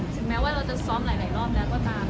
ถึงแม้ว่าเราจะซ้อมหลายรอบแล้วก็ตาม